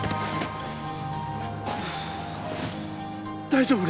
大丈夫！？